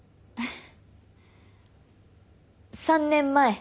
３年前。